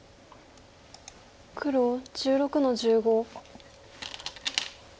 黒１６の十五。